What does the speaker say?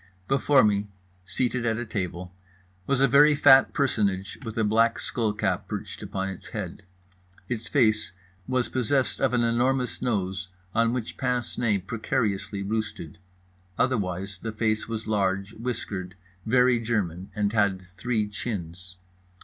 Before me, seated at a table, was a very fat personage with a black skull cap perched upon its head. Its face was possessed of an enormous nose, on which pince nez precariously roosted; otherwise the face was large, whiskered, very German and had three chins.